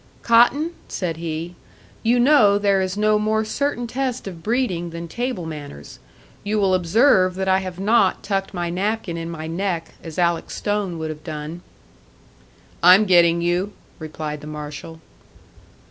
"Cotton," said he, "you know there is no more certain test of breeding than table manners. You will observe that I have not tucked my napkin in my neck, as Alec Stone would have done." "I'm getting you," replied the marshal.